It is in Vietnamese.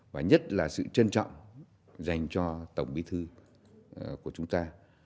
và nhất là sự trân trọng dành cho tổng bí thư của chúng ta